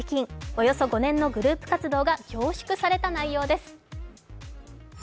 およそ５年のグループ活動が凝縮された内容です。